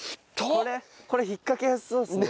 これこれ引っかけやすそうですね。